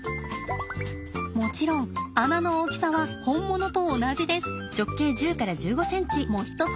もちろん穴の大きさは本物と同じです。もひとつ